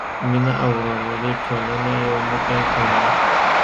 مینه او ورورولي ټولنه یو موټی کوي.